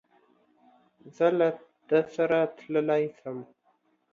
زه له ده سره تللای سم؟